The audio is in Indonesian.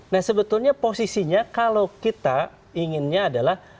nah sebetulnya posisinya kalau kita inginnya adalah